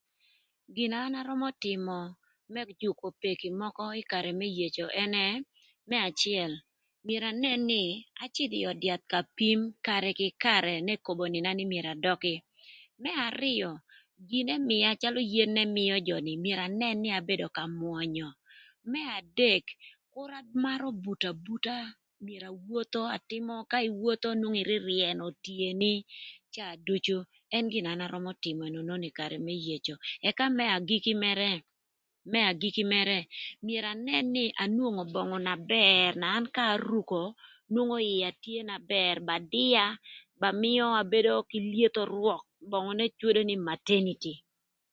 Gina an arömö tïmö më jükö peki mökö ï karë më yeco ënë. Më acël myero anën nï acïdhö öd yath ka pim karë kï karë n'ekobo nïna nï myero adökï. Më arïö gin n'ëmïa calö yen n'ëmïö jö ni myero anën nï abedo ka mwönyö. Më adek kür ïmarö buto abuta myero awotho atïmö ka iwotho nwongo ïryëryënö tyeni ï caa ducu ën gin na arömö tïmö ënönön ï karë më yeco. Ëka më ajiki mërë myero anën nï anwongo böngü na bër na an ka aruko nwongo iya tye na bër ba dïa ba mïa abedo kï lyetho rwök böngü n'ecwodo nï mateniti